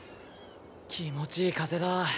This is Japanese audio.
気持ちいい風だ。